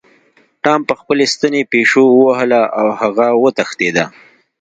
ټام په خپلې ستنې پیشو ووهله او هغه وتښتیده.